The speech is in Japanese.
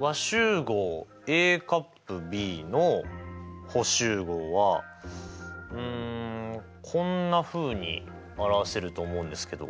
和集合Ａ∪Ｂの補集合はうんこんなふうに表せると思うんですけど。